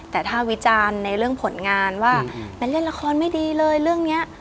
แต่ถ้าวิจารณ์ในเรื่องผลงานว่ามันเล่นละครไม่ดีเลยเรื่องนี้